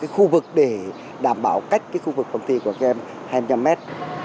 phục vụ để đảm bảo cách khu vực phòng thi của các em hai mươi năm mét